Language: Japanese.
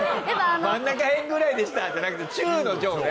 真ん中へんくらいでしたじゃなくて中の上ね。